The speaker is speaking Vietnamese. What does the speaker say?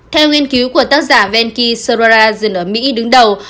theo nghiên cứu của tác giả venky sorara dừng ở mỹ đứng đầu